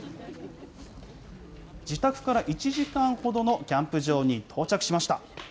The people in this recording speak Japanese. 自宅から１時間ほどのキャンプ場に到着しました。